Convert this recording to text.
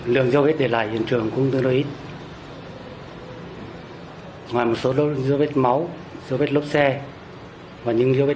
lượng dấu vết để lại hiện trường cũng rất là ít